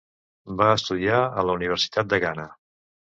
Va estudiar a la Universitat de Ghana.